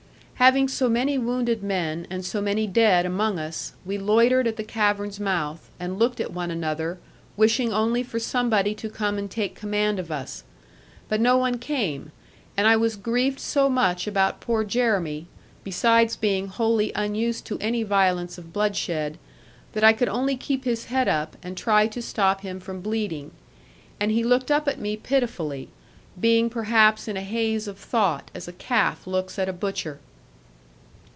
Having so many wounded men, and so many dead among us, we loitered at the cavern's mouth, and looked at one another, wishing only for somebody to come and take command of us. But no one came; and I was griefed so much about poor Jeremy, besides being wholly unused to any violence of bloodshed, that I could only keep his head up, and try to stop him from bleeding. And he looked up at me pitifully, being perhaps in a haze of thought, as a calf looks at a butcher.